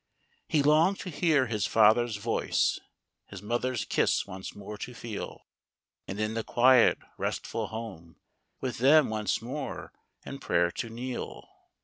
He long'd to hear his father's voice, His mother's kiss once more to feel, And in the quiet restful home With them once more in prayer to kneel.